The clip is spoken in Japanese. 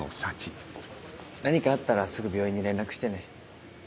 何かあったらすぐ病院に連絡してね。